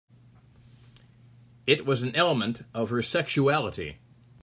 It was an element of her sexuality.